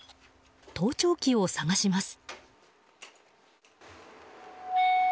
盗聴器を探します。